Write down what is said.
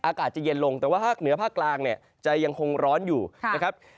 อากาศจะเย็นลงแต่ว่าภาคเหนือภาคกลางเนี่ยจะยังคงร้อนอยู่นะครับ